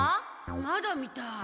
まだみたい。